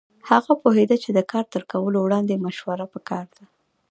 هغه پوهېده چې د کار تر کولو وړاندې مشوره پکار ده.